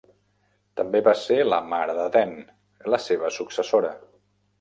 També va ser la mare de Den, la seva successora.